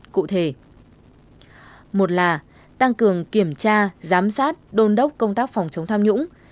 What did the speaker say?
cụ thể một là tăng cường kiểm tra giám sát đôn đốc công tác phòng chống tham nhũng